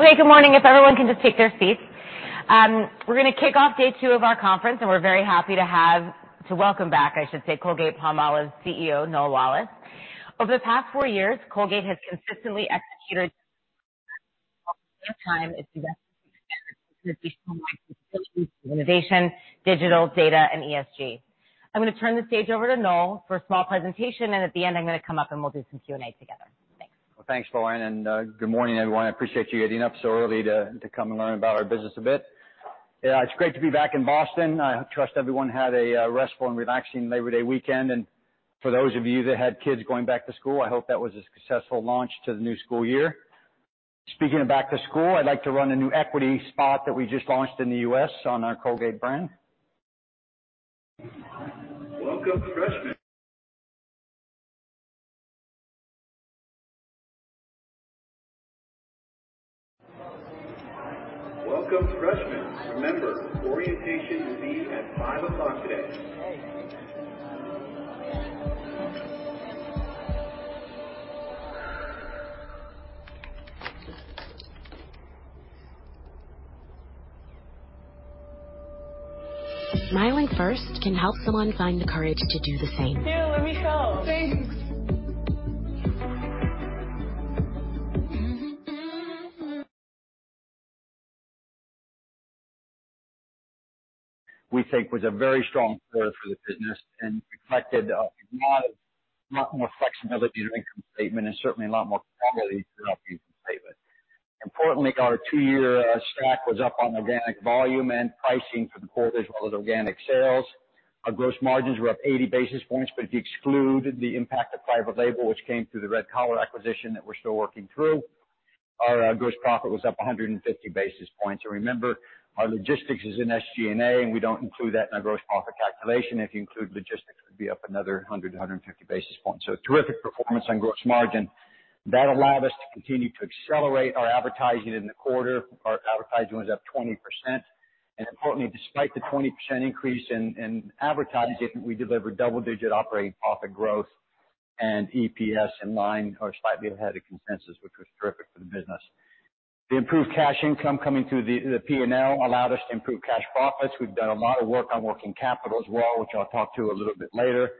Okay, good morning. If everyone can just take their seats. We're gonna kick off day two of our conference, and we're very happy to welcome back, I should say, Colgate-Palmolive's CEO, Noel Wallace. Over the past four years, Colgate has consistently executed on its investment in innovation, digital, data, and ESG. I'm gonna turn the stage over to Noel for a small presentation, and at the end, I'm gonna come up, and we'll do some Q&A together. Thanks. Well, thanks, Lauren, and good morning, everyone. I appreciate you getting up so early to come and learn about our business a bit. Yeah, it's great to be back in Boston. I trust everyone had a restful and relaxing Labor Day weekend. And for those of you that had kids going back to school, I hope that was a successful launch to the new school year. Speaking of back to school, I'd like to run a new equity spot that we just launched in the U.S. on our Colgate brand. We think was a very strong quarter for the business and collected a lot of, lot more flexibility to the income statement, and certainly a lot more capability to our income statement. Importantly, our two-year stack was up on organic volume and pricing for the quarter, as well as organic sales. Our gross margins were up 80 basis points, but if you exclude the impact of private label, which came through the Red Collar acquisition that we're still working through, our gross profit was up 150 basis points. And remember, our logistics is in SG&A, and we don't include that in our gross profit calculation. If you include logistics, it would be up another 100 to 150 basis points. So terrific performance on gross margin. That allowed us to continue to accelerate our advertising in the quarter. Our advertising was up 20%, and importantly, despite the 20% increase in advertising, we delivered double-digit operating profit growth and EPS in line or slightly ahead of consensus, which was terrific for the business. The improved cash income coming through the P&L allowed us to improve cash profits. We've done a lot of work on working capital as well, which I'll talk to a little bit later.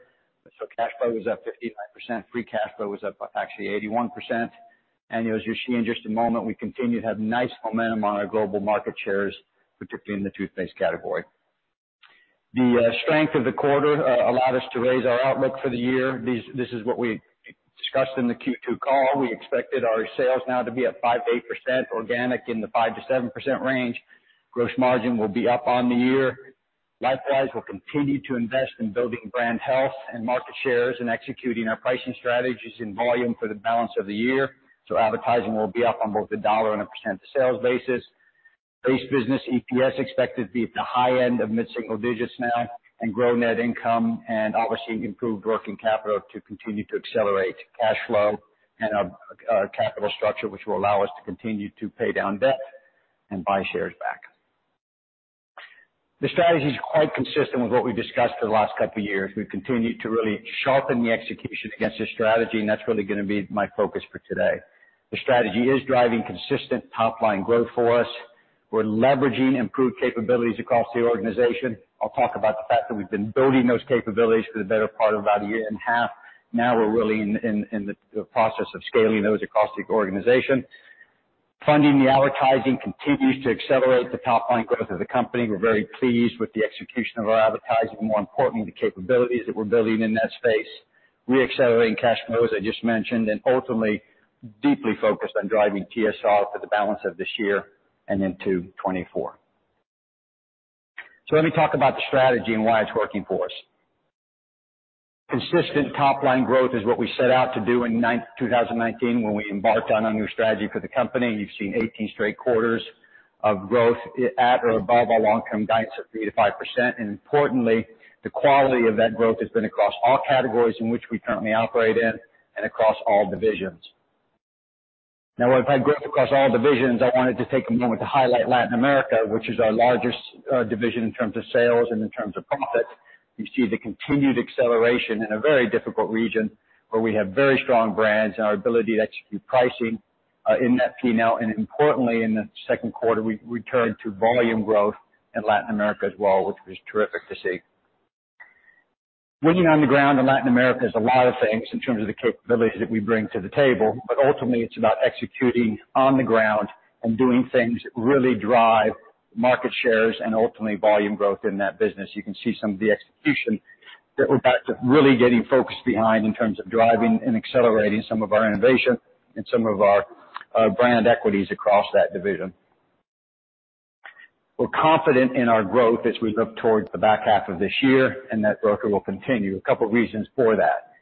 So cash flow was up 59%, free cash flow was up, actually 81%. And as you'll see in just a moment, we continue to have nice momentum on our global market shares, particularly in the toothpaste category. The strength of the quarter allowed us to raise our outlook for the year. This is what we discussed in the Q2 call. We expected our sales now to be at 5%-8%, organic in the 5%-7% range. Gross margin will be up on the year. Likewise, we'll continue to invest in building brand health and market shares, and executing our pricing strategies and volume for the balance of the year, so advertising will be up on both the dollar and a percent of sales basis. Base business EPS expected to be at the high end of mid-single digits now, and grow net income and obviously improved working capital to continue to accelerate cash flow and our capital structure, which will allow us to continue to pay down debt and buy shares back. The strategy is quite consistent with what we've discussed for the last couple of years. We've continued to really sharpen the execution against the strategy, and that's really gonna be my focus for today. The strategy is driving consistent top-line growth for us. We're leveraging improved capabilities across the organization. I'll talk about the fact that we've been building those capabilities for the better part of about a year and a half. Now we're really in the process of scaling those across the organization. Funding the advertising continues to accelerate the top-line growth of the company. We're very pleased with the execution of our advertising and, more importantly, the capabilities that we're building in that space. Reaccelerating cash flows, I just mentioned, and ultimately, deeply focused on driving TSR for the balance of this year and into 2024. So let me talk about the strategy and why it's working for us. Consistent top-line growth is what we set out to do in 2019, when we embarked on a new strategy for the company. You've seen 18 straight quarters of growth, at or above our long-term guidance of 3%-5%. Importantly, the quality of that growth has been across all categories in which we currently operate in and across all divisions. Now, if I have growth across all divisions, I wanted to take a moment to highlight Latin America, which is our largest division in terms of sales and in terms of profit. You see the continued acceleration in a very difficult region, where we have very strong brands and our ability to execute pricing in that P&L. Importantly, in the second quarter, we returned to volume growth in Latin America as well, which was terrific to see. Winning on the ground in Latin America is a lot of things in terms of the capabilities that we bring to the table, but ultimately it's about executing on the ground and doing things that really drive market shares and ultimately volume growth in that business. You can see some of the execution, that we're back to really getting focused behind in terms of driving and accelerating some of our innovation and some of our, our brand equities across that division. We're confident in our growth as we look towards the back half of this year, and that growth will continue. A couple reasons for that: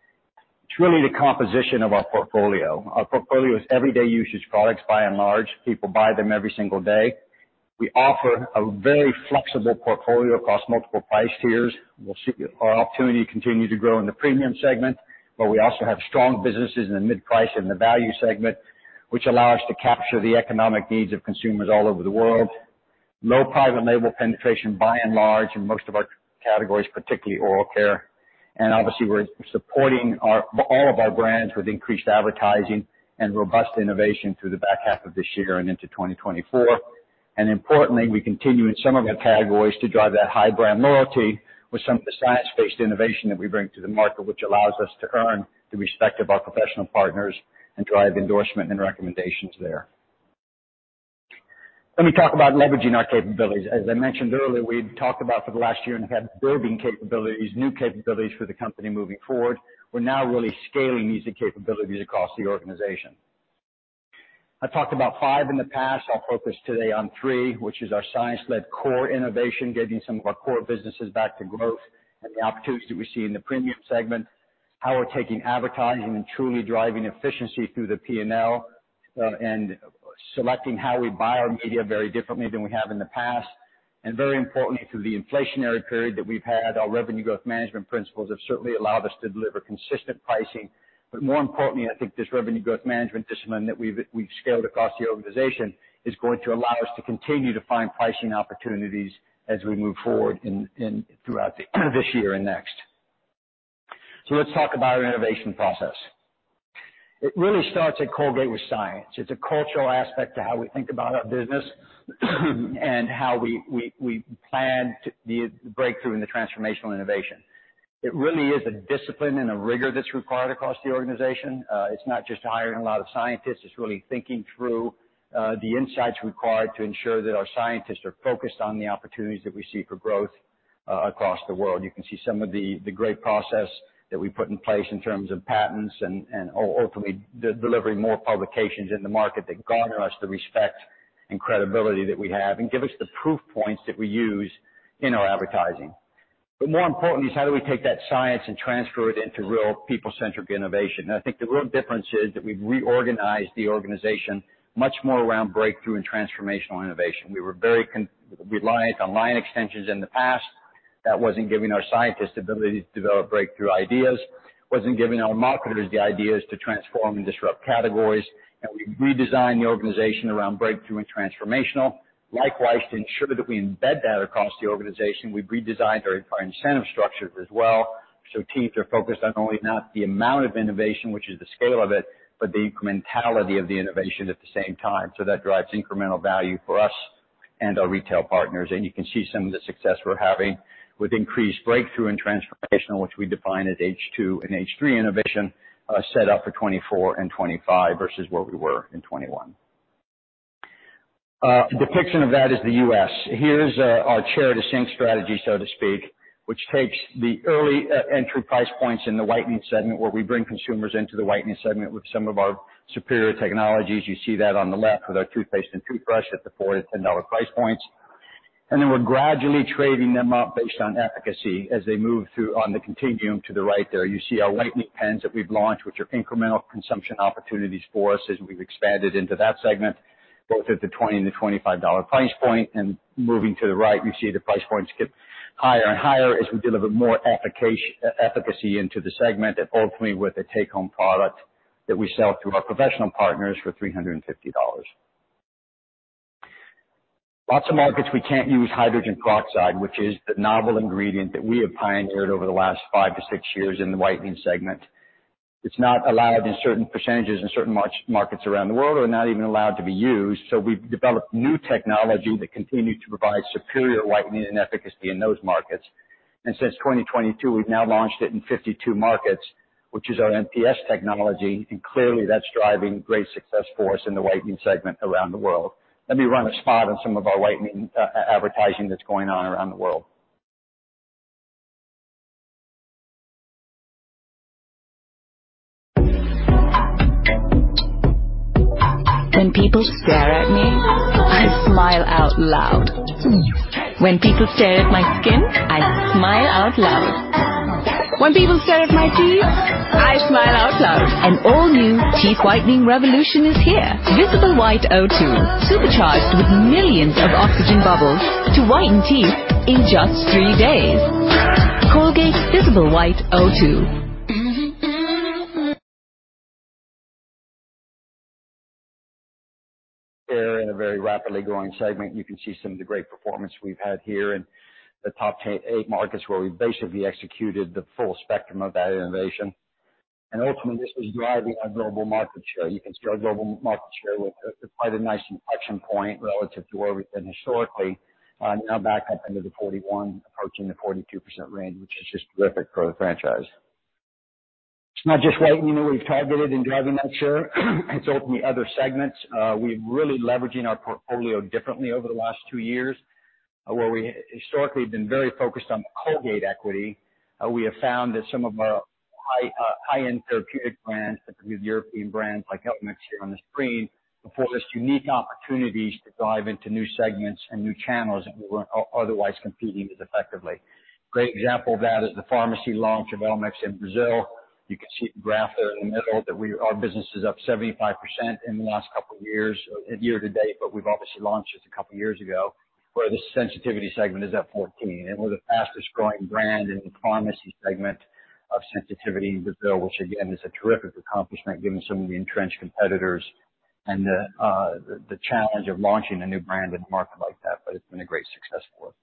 It's really the composition of our portfolio. Our portfolio is everyday-usage products by and large. People buy them every single day. We offer a very flexible portfolio across multiple price tiers. We'll see our opportunity continue to grow in the premium segment, but we also have strong businesses in the mid-price and the value segment, which allow us to capture the economic needs of consumers all over the world. Low private label penetration by and large in most of our categories, particularly oral care. And obviously, we're supporting our, all of our brands with increased advertising and robust innovation through the back half of this year and into 2024. And importantly, we continue in some of the categories to drive that high brand loyalty with some of the science-based innovation that we bring to the market, which allows us to earn the respect of our professional partners and drive endorsement and recommendations there. Let me talk about leveraging our capabilities. As I mentioned earlier, we've talked about for the last year and a half, building capabilities, new capabilities for the company moving forward. We're now really scaling these capabilities across the organization. I talked about five in the past. I'll focus today on three, which is our science-led core innovation, getting some of our core businesses back to growth and the opportunities that we see in the premium segment, how we're taking advertising and truly driving efficiency through the P&L, and selecting how we buy our media very differently than we have in the past. And very importantly, through the inflationary period that we've had, our revenue growth management principles have certainly allowed us to deliver consistent pricing. But more importantly, I think this revenue growth management discipline that we've scaled across the organization is going to allow us to continue to find pricing opportunities as we move forward throughout this year and next. So let's talk about our innovation process. It really starts at Colgate with science. It's a cultural aspect to how we think about our business, and how we plan to the breakthrough in the transformational innovation. It really is a discipline and a rigor that's required across the organization. It's not just hiring a lot of scientists, it's really thinking through the insights required to ensure that our scientists are focused on the opportunities that we see for growth across the world. You can see some of the great process that we put in place in terms of patents and ultimately delivering more publications in the market that garner us the respect and credibility that we have, and give us the proof points that we use in our advertising. But more importantly is how do we take that science and transfer it into real people-centric innovation? And I think the real difference is that we've reorganized the organization much more around breakthrough and transformational innovation. We were very reliant on line extensions in the past. That wasn't giving our scientists the ability to develop breakthrough ideas, wasn't giving our marketers the ideas to transform and disrupt categories. And we've redesigned the organization around breakthrough and transformational. Likewise, to ensure that we embed that across the organization, we've redesigned our incentive structures as well. So teams are focused on only not the amount of innovation, which is the scale of it, but the incrementality of the innovation at the same time. So that drives incremental value for us and our retail partners. And you can see some of the success we're having with increased breakthrough and transformational, which we define as H2 and H3 innovation, set up for 2024 and 2025 versus where we were in 2021. A depiction of that is the U.S. Here's our chair to sink strategy, so to speak, which takes the early entry price points in the whitening segment, where we bring consumers into the whitening segment with some of our superior technologies. You see that on the left with our toothpaste and toothbrush at the $4-$10 price points. Then we're gradually trading them up based on efficacy as they move through on the continuum to the right there. You see our whitening pens that we've launched, which are incremental consumption opportunities for us as we've expanded into that segment, both at the $20-$25 price point. Moving to the right, you see the price points get higher and higher as we deliver more efficacy into the segment, and ultimately, with a take-home product that we sell through our professional partners for $350. Lots of markets we can't use hydrogen peroxide, which is the novel ingredient that we have pioneered over the las five to six years in the whitening segment. It's not allowed in certain percentages, in certain markets around the world, or not even allowed to be used. So we've developed new technology that continue to provide superior whitening and efficacy in those markets. And since 2022, we've now launched it in 52 markets, which is our MPS Technology, and clearly, that's driving great success for us in the whitening segment around the world. Let me run a spot on some of our whitening advertising that's going on around the world. When people stare at me, I smile out loud. When people stare at my skin, I smile out loud. When people stare at my teeth, I smile out loud. An all-new teeth whitening revolution is here. Visible White O2, supercharged with millions of oxygen bubbles to whiten teeth in just three days. Colgate Visible White O2.They're in a very rapidly growing segment. You can see some of the great performance we've had here in the top eight markets, where we've basically executed the full spectrum of that innovation. And ultimately, this is driving our global market share. You can see our global market share with quite a nice inflection point relative to where we've been historically, now back up into the 41, approaching the 42% range, which is just terrific for the franchise. It's not just whitening that we've targeted in driving that share, it's ultimately other segments. We're really leveraging our portfolio differently over the last two years. Where we historically have been very focused on the Colgate equity, we have found that some of our high-end therapeutic brands, particularly European brands like Elmex here on the screen, afford us unique opportunities to dive into new segments and new channels that we weren't otherwise competing as effectively. Great example of that is the pharmacy launch of Elmex in Brazil. You can see the graph there in the middle, that our business is up 75% in the last couple years, year to date, but we've obviously launched it a couple of years ago, where the sensitivity segment is at 14%, and we're the fastest growing brand in the pharmacy segment of sensitivity in Brazil which again, is a terrific accomplishment, given some of the entrenched competitors and the challenge of launching a new brand in a market like that. But it's been a great success for us.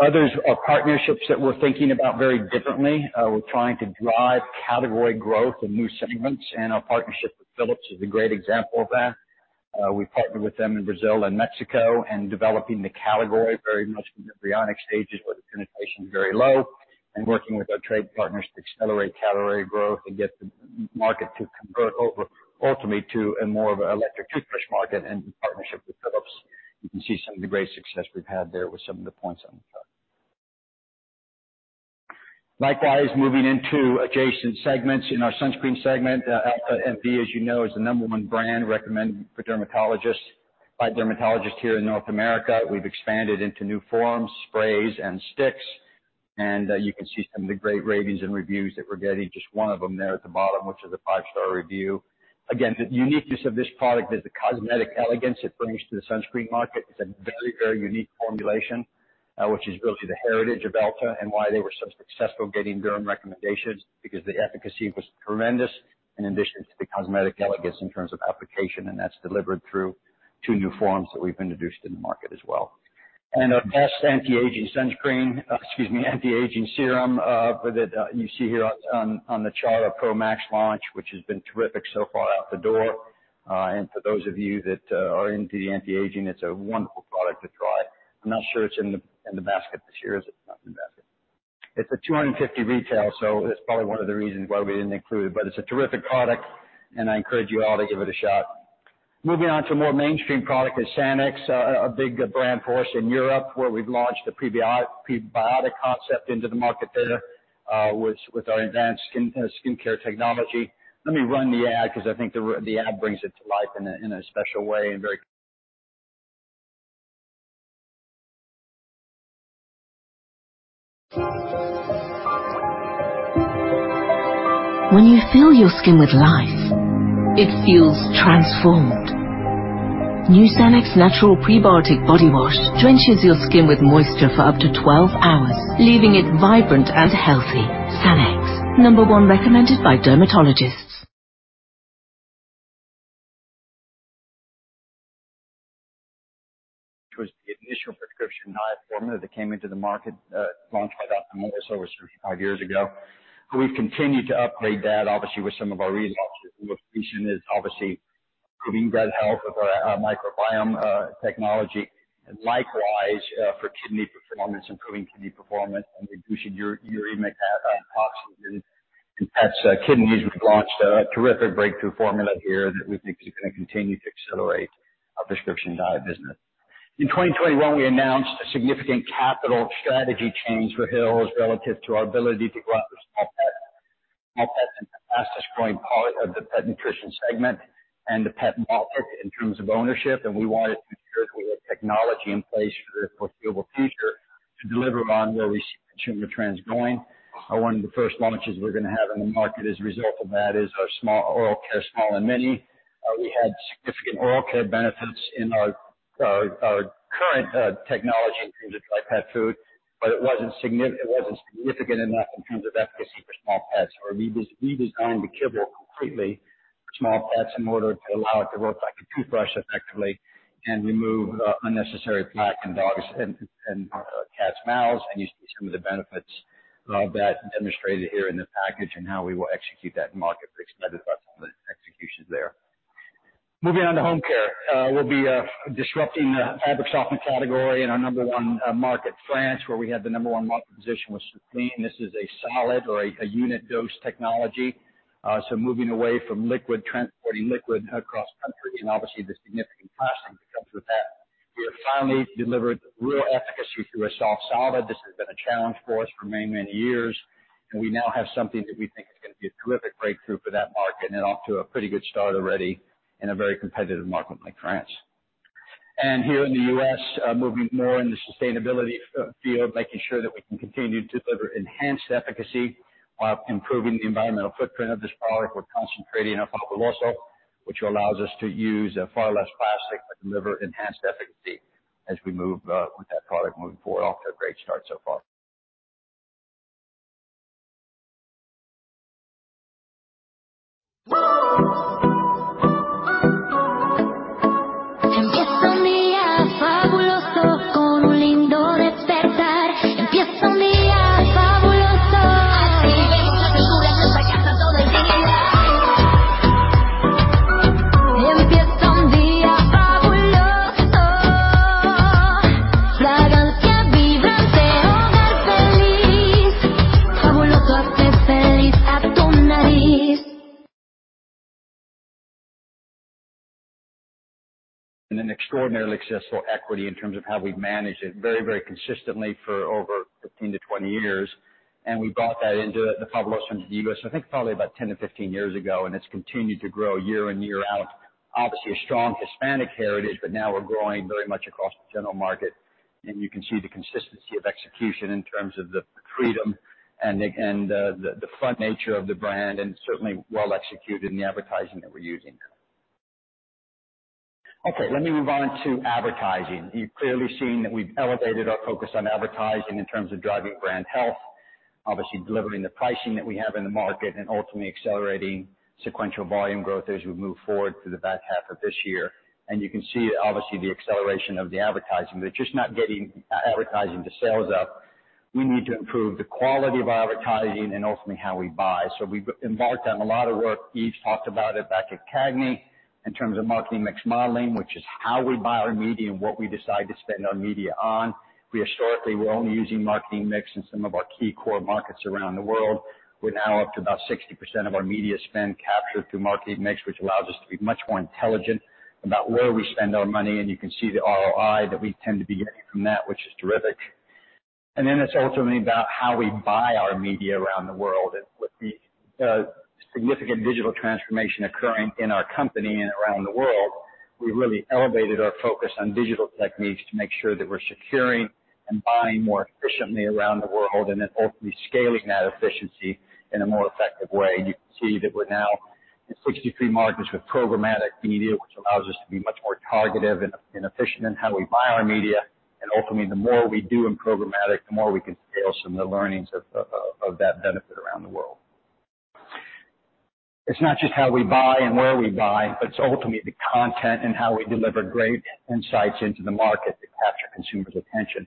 Others are partnerships that we're thinking about very differently. We're trying to drive category growth in new segments, and our partnership with Philips is a great example of that. We partnered with them in Brazil and Mexico, and developing the category very much in the embryonic stages, where the penetration is very low, and working with our trade partners to accelerate category growth and get the market to convert over ultimately to more of an electric toothbrush market and in partnership with Philips. You can see some of the great success we've had there with some of the points on the chart. Likewise, moving into adjacent segments. In our sunscreen segment, EltaMD, as you know, is the number one brand recommended for dermatologists, by dermatologists here in North America. We've expanded into new forms, sprays, and sticks, and you can see some of the great ratings and reviews that we're getting. Just one of them there at the bottom, which is a five-star review. Again, the uniqueness of this product is the cosmetic elegance it brings to the sunscreen market. It's a very, very unique formulation, which is really the heritage of Elta and why they were so successful getting derm recommendations, because the efficacy was tremendous, in addition to the cosmetic elegance in terms of application, and that's delivered through two new forms that we've introduced in the market as well. And our best anti-aging sunscreen, excuse me, anti-aging serum, that you see here on the chart, our Pro-Max launch, which has been terrific so far out the door. And for those of you that are into the anti-aging, it's a wonderful product to try. I'm not sure it's in the basket this year, is it? Not in the basket. It's a $250 retail, so it's probably one of the reasons why we didn't include it. But it's a terrific product, and I encourage you all to give it a shot. Moving on to a more mainstream product is Sanex, a big brand for us in Europe, where we've launched a prebiotic concept into the market there, with our advanced skincare technology. Let me run the ad, 'cause I think the ad brings it to life in a special way, and K/D which was the initial Prescription Diet formula that came into the market, launched by Dr. Morris over 55 years ago. We've continued to upgrade that, obviously, with some of our recent launches. Recently, obviously, improving gut health with our microbiome technology. And likewise, for kidney performance, improving kidney performance and reducing urea metabolic toxins in pets' kidneys. We've launched a terrific breakthrough formula here that we think is going to continue to accelerate our Prescription Diet business. In 2021, we announced a significant capital strategy change for Hill's relative to our ability to grow our small pets. Small pets is the fastest growing part of the pet nutrition segment and the pet market in terms of ownership, and we wanted to ensure that we had technology in place for the foreseeable future to deliver on where we see consumer trends going. One of the first launches we're going to have in the market as a result of that is our Small Oral Care Small and Mini. We had significant oral care benefits in our current technology in terms of dry pet food, but it wasn't significant enough in terms of efficacy for small pets. So we redesigned the kibble completely for small pets in order to allow it to work like a toothbrush effectively and remove unnecessary plaque in dogs and cats' mouths. You see some of the benefits of that demonstrated here in the package and how we will execute that in market. We're excited about some of the executions there. Moving on to Home Care. We'll be disrupting fabric softener category in our number one market, France, where we have the number one market position with Soupline. This is a solid or a unit dose technology. So moving away from liquid, transporting liquid across country and obviously the significant costing that comes with that. We have finally delivered real efficacy through a soft solid. This has been a challenge for us for many, many years, and we now have something that we think is going to be a terrific breakthrough for that market, and off to a pretty good start already in a very competitive market like France. And here in the U.S., moving more in the sustainability field, making sure that we can continue to deliver enhanced efficacy while improving the environmental footprint of this product. We're concentrating on Fabuloso, which allows us to use far less plastic, but deliver enhanced efficacy as we move with that product moving forward. Off to a great start so far. And an extraordinarily successful equity in terms of how we've managed it very, very consistently for over 15-20 years, and we brought that into the Fabuloso into the U.S., I think probably about 10-15 years ago, and it's continued to grow year in, year out. Obviously, a strong Hispanic heritage, but now we're growing very much across the general market, and you can see the consistency of execution in terms of the freedom and the fun nature of the brand, and certainly well executed in the advertising that we're using. Okay, let me move on to advertising. You've clearly seen that we've elevated our focus on advertising in terms of driving brand health, obviously delivering the pricing that we have in the market, and ultimately accelerating sequential volume growth as we move forward through the back half of this year. You can see, obviously, the acceleration of the advertising. Just not getting advertising the sales up, we need to improve the quality of our advertising and ultimately how we buy. We've embarked on a lot of work. Yves talked about it back at CAGNY, in terms of Marketing Mix Modeling, which is how we buy our media and what we decide to spend our media on. We historically were only using marketing mix in some of our key core markets around the world. We're now up to about 60% of our media spend captured through marketing mix, which allows us to be much more intelligent about where we spend our money, and you can see the ROI that we tend to be getting from that, which is terrific. Then it's ultimately about how we buy our media around the world. With the significant digital transformation occurring in our company and around the world, we've really elevated our focus on digital techniques to make sure that we're securing and buying more efficiently around the world, and then ultimately scaling that efficiency in a more effective way. You can see that we're now in 63 markets with programmatic media, which allows us to be much more targeted and efficient in how we buy our media. And ultimately, the more we do in programmatic, the more we can scale some of the learnings of that benefit around the world. It's not just how we buy and where we buy, but it's ultimately the content and how we deliver great insights into the market to capture consumers' attention.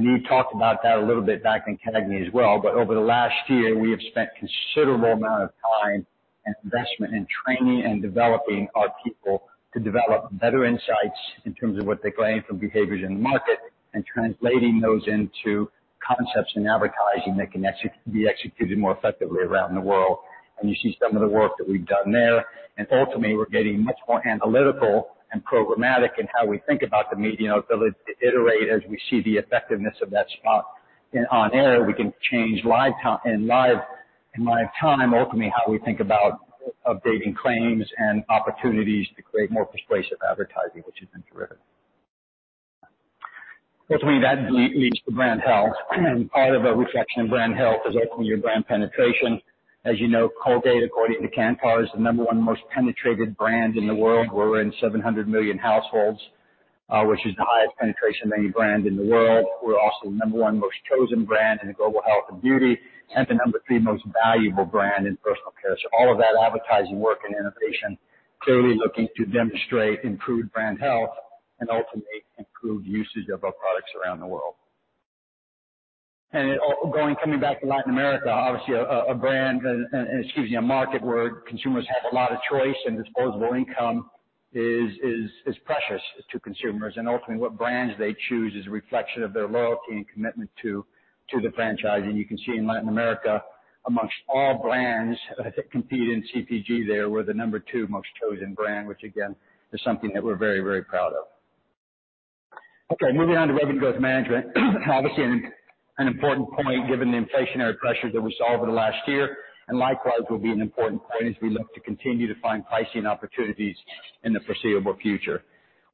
You talked about that a little bit back in CAGNY as well, but over the last year, we have spent considerable amount of time and investment in training and developing our people to develop better insights in terms of what they're getting from behaviors in the market, and translating those into concepts in advertising that can be executed more effectively around the world. You see some of the work that we've done there. Ultimately, we're getting much more analytical and programmatic in how we think about the media, and ability to iterate as we see the effectiveness of that spot. On air, we can change live in live time, ultimately, how we think about updating claims and opportunities to create more persuasive advertising, which has been terrific. Ultimately, that leads to brand health, and part of our reflection of brand health is ultimately your brand penetration. As you know, Colgate, according to Kantar, is the number one most penetrated brand in the world. We're in 700 million households, which is the highest penetration of any brand in the world. We're also the number one most chosen brand in the global health and beauty, and the number three most valuable brand in personal care. So all of that advertising work and innovation, clearly looking to demonstrate improved brand health and ultimately improved usage of our products around the world. Coming back to Latin America, obviously a brand, excuse me, a market where consumers have a lot of choice and disposable income is precious to consumers, and ultimately what brands they choose is a reflection of their loyalty and commitment to the franchise. You can see in Latin America, amongst all brands that compete in CPG there, we're the number two most chosen brand, which again is something that we're very, very proud of. Okay, moving on to Revenue Growth Management. Obviously, an important point, given the inflationary pressures that we saw over the last year, and likewise will be an important point as we look to continue to find pricing opportunities in the foreseeable future.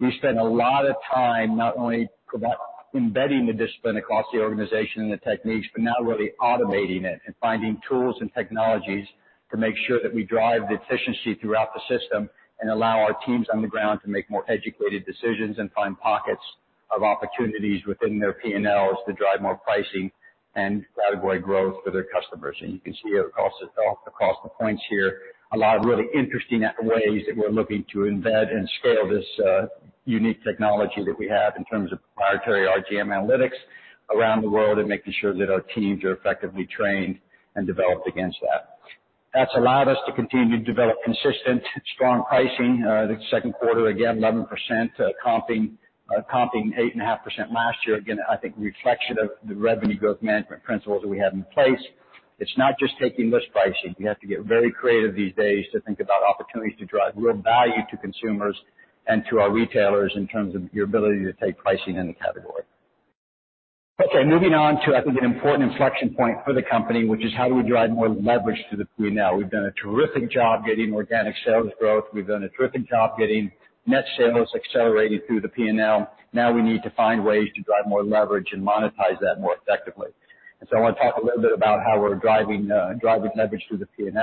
We spent a lot of time not only about embedding the discipline across the organization and the techniques, but now really automating it and finding tools and technologies to make sure that we drive the efficiency throughout the system, and allow our teams on the ground to make more educated decisions and find pockets of opportunities within their P&Ls to drive more pricing and category growth for their customers. And you can see across the, across the points here, a lot of really interesting ways that we're looking to embed and scale this, unique technology that we have in terms of proprietary RGM analytics around the world, and making sure that our teams are effectively trained and developed against that. That's allowed us to continue to develop consistent, strong pricing. The second quarter, again, 11%, comping 8.5% last year. Again, I think a reflection of the revenue growth management principles that we have in place. It's not just taking list pricing. You have to get very creative these days to think about opportunities to drive real value to consumers and to our retailers in terms of your ability to take pricing in the category. Okay, moving on to, I think, an important inflection point for the company, which is: How do we drive more leverage to the P&L? We've done a terrific job getting organic sales growth. We've done a terrific job getting net sales accelerating through the P&L. Now we need to find ways to drive more leverage and monetize that more effectively. And so I wanna talk a little bit about how we're driving driving leverage through the P&L.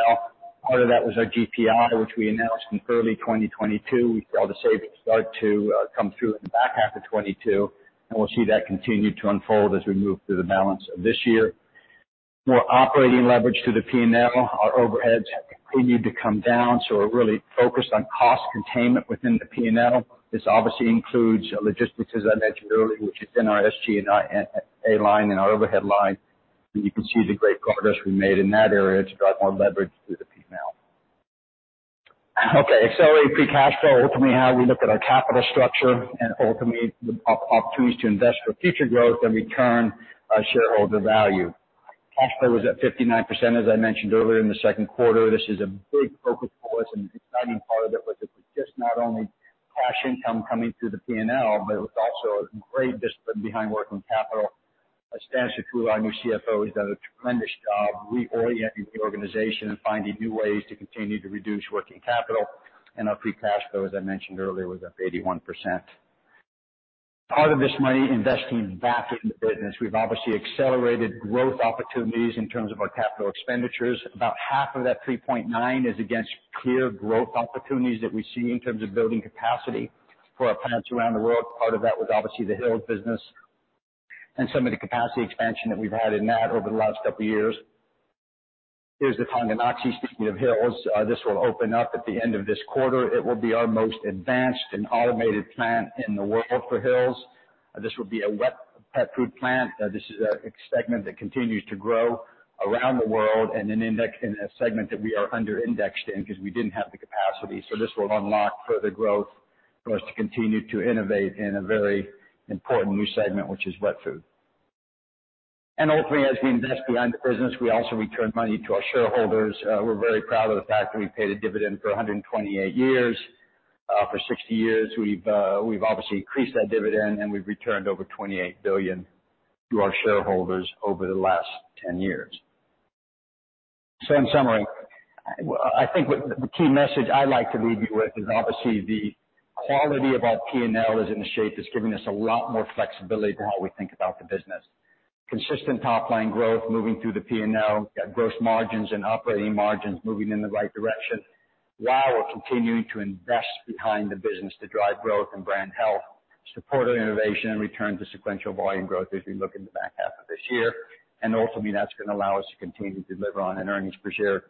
Part of that was our GPI, which we announced in early 2022. We saw the savings start to come through in the back half of 2022, and we'll see that continue to unfold as we move through the balance of this year. More operating leverage to the P&L. Our overheads continue to come down, so we're really focused on cost containment within the P&L. This obviously includes logistics, as I mentioned earlier, which is in our SG&A line, in our overhead line. And you can see the great progress we made in that area to drive more leverage through the P&L. Okay, so free cash flow, ultimately, how we look at our capital structure and ultimately the opportunities to invest for future growth and return shareholder value. Cash flow was at 59%, as I mentioned earlier, in the second quarter. This is a big focus for us, and the exciting part of it was it was just not only cash income coming through the P&L, but it was also great discipline behind working capital. Stan Sutula, our new CFO, has done a tremendous job reorienting the organization and finding new ways to continue to reduce working capital. Our free cash flow, as I mentioned earlier, was up 81%. Part of this money investing back in the business. We've obviously accelerated growth opportunities in terms of our capital expenditures. About half of that 3.9 is against clear growth opportunities that we see in terms of building capacity for our plants around the world. Part of that was obviously the Hill's business and some of the capacity expansion that we've had in that over the last couple of years. Here's the Tonganoxie, speaking of Hill's. This will open up at the end of this quarter. It will be our most advanced and automated plant in the world for Hill's. This will be a wet pet food plant. This is a segment that continues to grow around the world and an index in a segment that we are under-indexed in because we didn't have the capacity. This will unlock further growth for us to continue to innovate in a very important new segment, which is wet food. Ultimately, as we invest behind the business, we also return money to our shareholders. We're very proud of the fact that we've paid a dividend for 128 years. For 60 years, we've obviously increased that dividend, and we've returned over $28 billion to our shareholders over the last 10 years. So in summary, well, I think what the key message I'd like to leave you with is, obviously, the quality of our P&L is in the shape that's giving us a lot more flexibility to how we think about the business. Consistent top line growth, moving through the P&L, got gross margins and operating margins moving in the right direction, while we're continuing to invest behind the business to drive growth and brand health, supported innovation, and return to sequential volume growth as we look in the back half of this year. And ultimately, that's going to allow us to continue to deliver on an earnings per share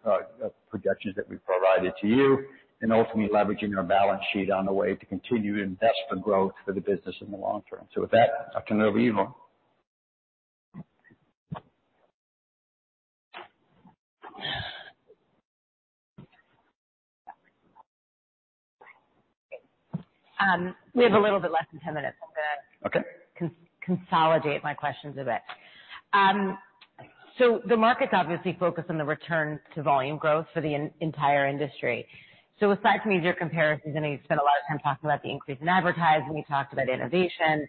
projections that we've provided to you, and ultimately leveraging our balance sheet on the way to continue to invest for growth for the business in the long term. So with that, I'll turn it over to you, Lauren. We have a little bit less than 10 minutes. Okay. I'm gonna consolidate my questions a bit. So the market's obviously focused on the return to volume growth for the entire industry. So aside from easier comparisons, I know you spent a lot of time talking about the increase in advertising, you talked about innovation.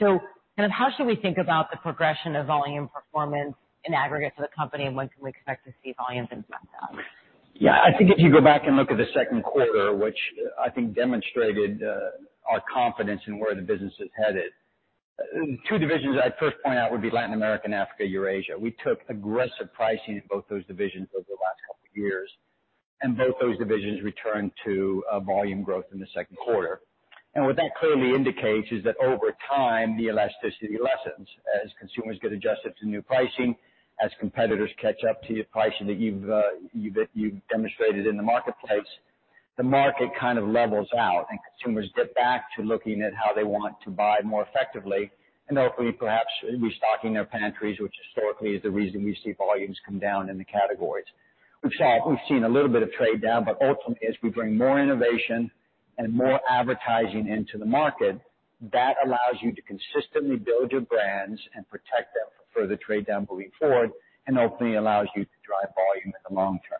So kind of how should we think about the progression of volume performance in aggregate to the company, and when can we expect to see volumes in month out? Yeah, I think if you go back and look at the second quarter, which I think demonstrated our confidence in where the business is headed. Two divisions I'd first point out would be Latin America and Africa, Eurasia. We took aggressive pricing in both those divisions over the last couple of years, and both those divisions returned to a volume growth in the second quarter. And what that clearly indicates is that over time, the elasticity lessens. As consumers get adjusted to new pricing, as competitors catch up to your pricing that you've demonstrated in the marketplace, the market kind of levels out, and consumers get back to looking at how they want to buy more effectively, and hopefully, perhaps, restocking their pantries, which historically is the reason we see volumes come down in the categories. We've seen a little bit of trade down, but ultimately, as we bring more innovation and more advertising into the market, that allows you to consistently build your brands and protect them for further trade down moving forward, and ultimately allows you to drive volume in the long term.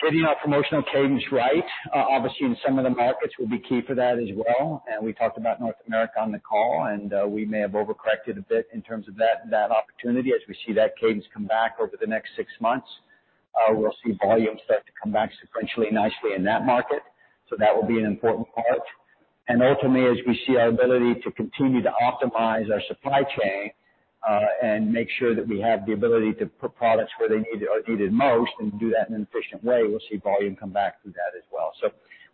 Getting our promotional cadence right, obviously in some of the markets will be key for that as well. We talked about North America on the call, and we may have overcorrected a bit in terms of that, that opportunity. As we see that cadence come back over the next six months, we'll see volumes start to come back sequentially, nicely in that market. That will be an important part. Ultimately, as we see our ability to continue to optimize our supply chain, and make sure that we have the ability to put products where they need or are needed most, and do that in an efficient way, we'll see volume come back through that as well.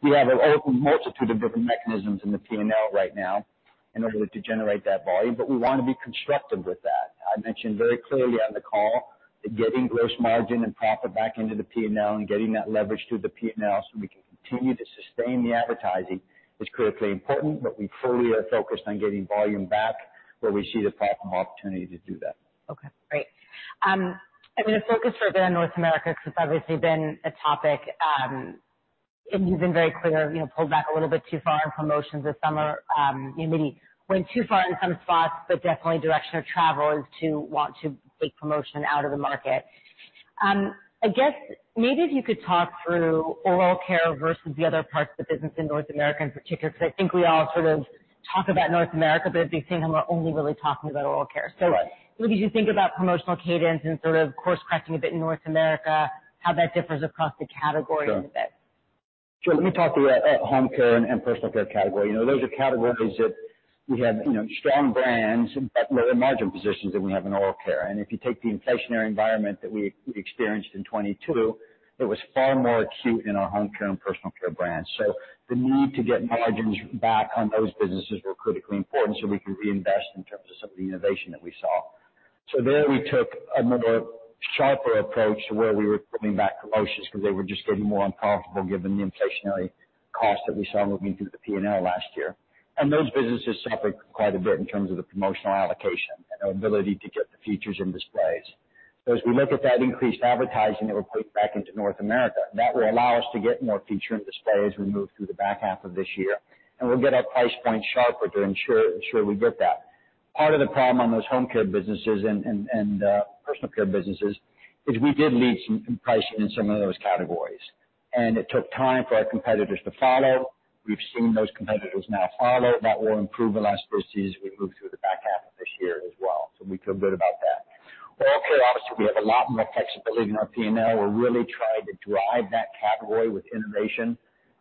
We have a multitude of different mechanisms in the P&L right now in order to generate that volume, but we want to be constructive with that. I mentioned very clearly on the call that getting gross margin and profit back into the P&L and getting that leverage through the P&L, so we can continue to sustain the advertising, is critically important, but we fully are focused on getting volume back where we see the possible opportunity to do that. Okay, great. I'm gonna focus further on North America because it's obviously been a topic, and you've been very clear, you know, pulled back a little bit too far in promotions this summer. You maybe went too far in some spots, but definitely direction of travel is to want to take promotion out of the market. I guess maybe if you could talk through oral care versus the other parts of the business in North America in particular, because I think we all sort of talk about North America, but at the same time, we're only really talking about oral care. Right. As you think about promotional cadence and sort of course-correcting a bit in North America, how that differs across the categories a bit? Sure. Let me talk to your home care and personal care category. You know, those are categories that we have, you know, strong brands, but lower margin positions than we have in oral care. And if you take the inflationary environment that we experienced in 2022, it was far more acute in our home care and personal care brands. So the need to get margins back on those businesses were critically important, so we can reinvest in terms of some of the innovation that we saw. So there, we took a more sharper approach to where we were pulling back promotions because they were just getting more unprofitable, given the inflationary costs that we saw moving through the P&L last year. And those businesses suffered quite a bit in terms of the promotional allocation and our ability to get the features and displays. So as we look at that increased advertising that we're putting back into North America, that will allow us to get more feature and display as we move through the back half of this year, and we'll get our price point sharper to ensure we get that. Part of the problem on those home care businesses and personal care businesses is we did lead some pricing in some of those categories, and it took time for our competitors to follow. We've seen those competitors now follow. That will improve elasticity as we move through the year. We feel good about that. Oral care, obviously, we have a lot more flexibility in our P&L. We're really trying to drive that category with innovation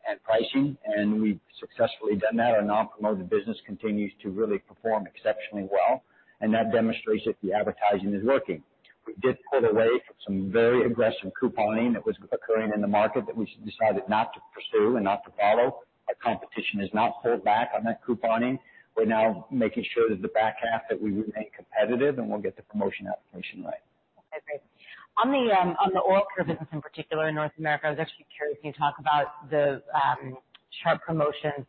and pricing, and we've successfully done that. Our non-promoted business continues to really perform exceptionally well, and that demonstrates that the advertising is working. We did pull away from some very aggressive couponing that was occurring in the market that we decided not to pursue and not to follow. Our competition has not pulled back on that couponing. We're now making sure that the back half, that we remain competitive, and we'll get the promotion application right. Okay, great. On the oral care business, in particular, in North America, I was actually curious. You talked about the sharp promotions.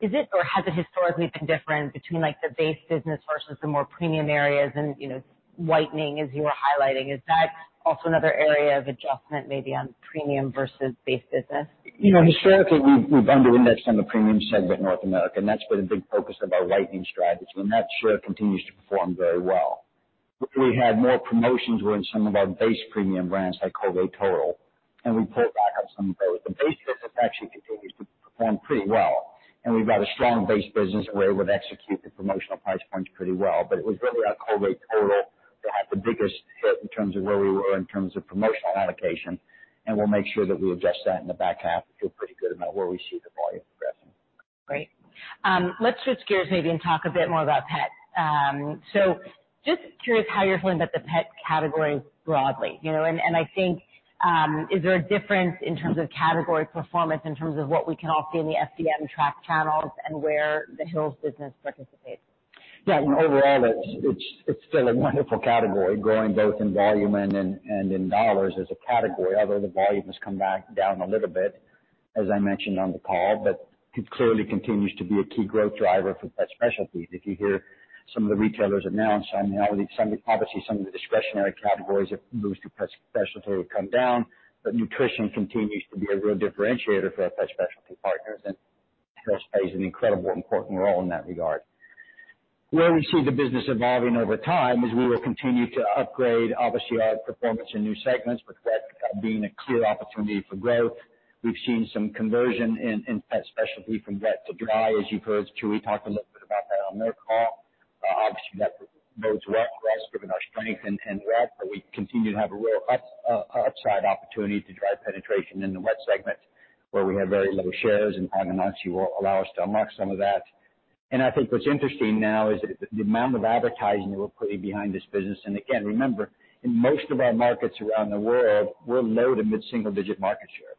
Is it or has it historically been different between, like, the base business versus the more premium areas and, you know, whitening, as you were highlighting? Is that also another area of adjustment, maybe on premium versus base business? You know, historically, we've underinvested on the premium side of North America, and that's been a big focus of our whitening strategy, and that share continues to perform very well. We had more promotions within some of our base premium brands, like Colgate Total, and we pulled back on some of those. The base business actually continues to perform pretty well, and we've got a strong base business where we've executed the promotional price points pretty well. But it was really our Colgate Total that had the biggest hit in terms of where we were in terms of promotional allocation, and we'll make sure that we adjust that in the back half and feel pretty good about where we see the volume progressing. Great. Let's switch gears maybe and talk a bit more about pet. So just curious how you're feeling about the pet category broadly, you know, and, and I think, is there a difference in terms of category performance, in terms of what we can all see in the FDM retail channels and where the Hill's business participates? Yeah. Overall, it's still a wonderful category, growing both in volume and in dollars as a category. Although the volume has come back down a little bit, as I mentioned on the call, but it clearly continues to be a key growth driver for pet specialty. If you hear some of the retailers announce, I mean, obviously, some of the discretionary categories that moves to pet specialty will come down, but nutrition continues to be a real differentiator for our pet specialty partners, and Hill's plays an incredible important role in that regard. Where we see the business evolving over time is we will continue to upgrade, obviously, our performance in new segments, with vet being a clear opportunity for growth. We've seen some conversion in pet specialty from wet to dry. As you've heard Chewy talk a little bit about that on their call. Obviously, that bodes well for us, given our strength in wet, but we continue to have a real upside opportunity to drive penetration in the wet segment, where we have very low shares, and high amounts will allow us to unlock some of that. And I think what's interesting now is that the amount of advertising that we're putting behind this business, and again, remember, in most of our markets around the world, we're low- to mid-single-digit market shares.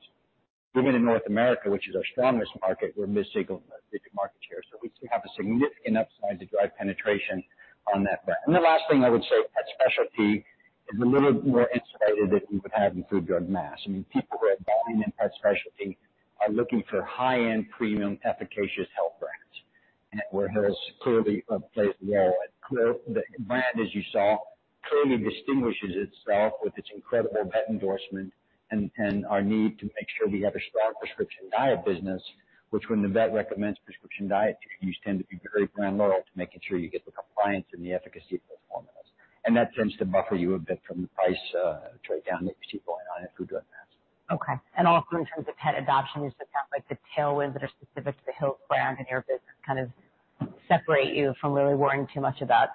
Even in North America, which is our strongest market, we're mid-single-digit market share. So we still have a significant upside to drive penetration on that front. And the last thing I would say, pet specialty is a little more insulated than we would have in food, drug, and mass. I mean, people who are buying in pet specialty are looking for high-end, premium, efficacious health brands, and where Hill's clearly plays a role. And the brand, as you saw, clearly distinguishes itself with its incredible vet endorsement and our need to make sure we have a strong prescription diet business, which when the vet recommends prescription diet use, tend to be very brand loyal to making sure you get the compliance and the efficacy of those formulas. And that tends to buffer you a bit from the price trade down that you see going on in food, drug, mass. Okay. And also in terms of pet adoption, is that, like, the tailwinds that are specific to the Hill's brand and your business kind of separate you from really worrying too much about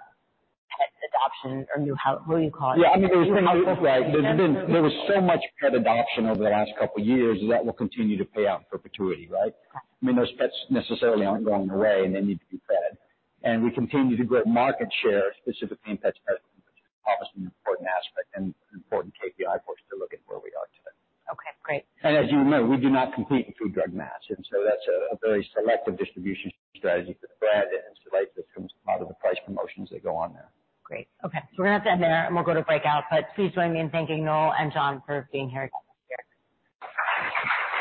pet adoption or you, how, what do you call it? Yeah. I mean, there was so much pet adoption over the last couple of years that will continue to pay out in perpetuity, right? Yeah. I mean, those pets necessarily aren't going away, and they need to be fed. And we continue to grow market share, specifically in pet specialty, which is obviously an important aspect and important KPI for us to look at where we are today. Okay, great. As you know, we do not compete in Food, Drug, and Mass, and so that's a very selective distribution strategy for the brand, and it's the right that comes out of the price promotions that go on there. Great. Okay. So we're gonna end there, and we'll go to breakout, but please join me in thanking Noel and John for being here today.